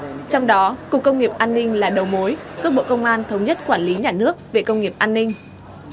trong đó cục công nghiệp an ninh là đầu mối giúp bộ công an thống nhất quản lý nhà nước về công nghiệp an ninh